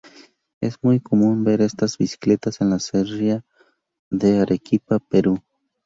Es muy común ver estas bicicletas en la sierra de Arequipa, Perú.